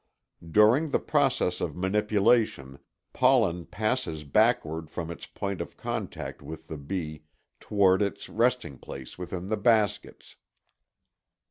During the process of manipulation pollen passes backward from its point of contact with the bee toward its resting place within the baskets.